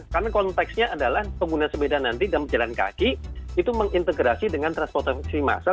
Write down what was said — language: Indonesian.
karena konteksnya adalah pengguna sepeda nanti dalam jalan kaki itu mengintegrasi dengan transportasi massal